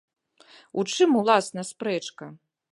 У чым, уласна, спрэчка?